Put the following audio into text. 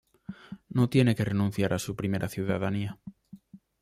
No tiene que renunciar a su primera ciudadanía.